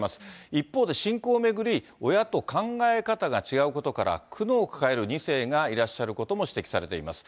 一方で、信仰を巡り、親と考え方が違うことから苦悩を抱える２世がいらっしゃることも指摘されています。